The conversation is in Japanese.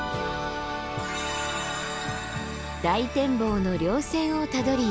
大展望の稜線をたどり。